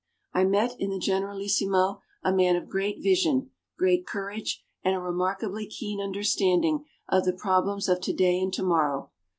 I met in the Generalissimo a man of great vision, great courage, and a remarkably keen understanding of the problems of today and tomorrow.